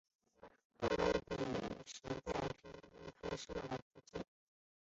后来比利时在天津开设了租界。